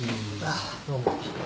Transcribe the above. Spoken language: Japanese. あっどうも。